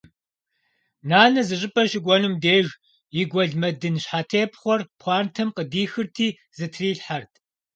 Нанэ зы щӏыпӏэ щыкӏуэнум деж и гуэлмэдын щхьэтепхъуэр пхъуантэм къыдихырти зытрилъхьэрт.